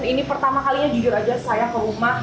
ini pertama kalinya jujur aja saya ke rumah